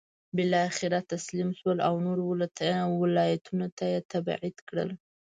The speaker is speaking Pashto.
بالاخره تسلیم شول او نورو ولایتونو ته یې تبعید کړل.